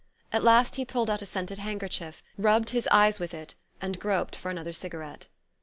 At last he pulled out a scented handkerchief, rubbed his eyes with it, and groped for another cigarette.